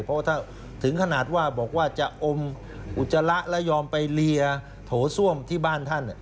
เพราะถ้าถึงขนาดว่าบอกว่าจะอมอุจจาระและยอมไปเรียโถส้วมที่บ้านท่าน